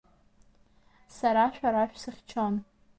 Сара шәара шәсыхьчон…